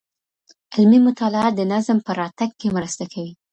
علمي مطالعه د نظم په راتګ کي مرسته کوي.